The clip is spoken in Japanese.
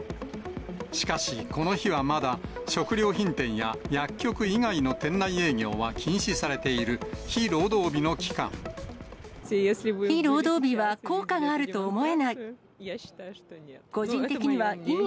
しかし、この日はまだ食料品店や薬局以外の店内営業は禁止されている非労非労働日は効果があると思えない。